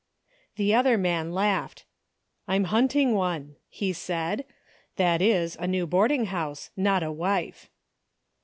The other man laughed. " I'm hunting one," he said, " that is, a new boarding house, not a wife."